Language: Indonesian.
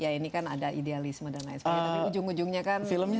ya ini kan ada idealisme dan lain sebagainya tapi ujung ujungnya kan filmnya